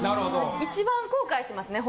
一番後悔してますね